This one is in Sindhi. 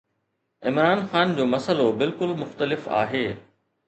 عمران خان جو مسئلو بلڪل مختلف آهي.